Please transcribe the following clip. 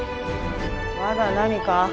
まだ何か？